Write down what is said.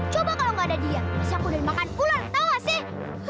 coba kalau gak ada dia pasti aku udah dimakan ular tau gak sih